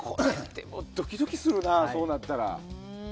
ドキドキするな、そうなったら。